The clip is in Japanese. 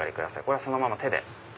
これはそのまま手で。